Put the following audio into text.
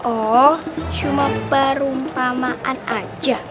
oh cuma perumpamaan aja